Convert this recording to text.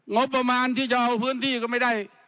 งบประมาณที่จะเอาพื้นที่ก็ไม่ได้